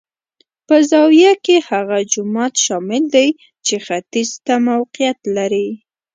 په زاویه کې هغه جومات شامل دی چې ختیځ ته موقعیت لري.